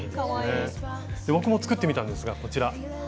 僕も作ってみたんですがこちら。